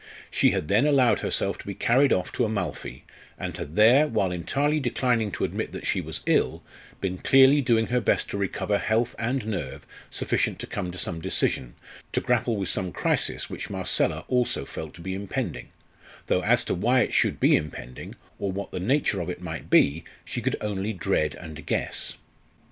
She had then allowed herself to be carried off to Amalfi, and had there, while entirely declining to admit that she was ill, been clearly doing her best to recover health and nerve sufficient to come to some decision, to grapple with some crisis which Marcella also felt to be impending though as to why it should be impending, or what the nature of it might be, she could only dread and guess.